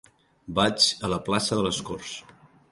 Vaig a la plaça de les Corts.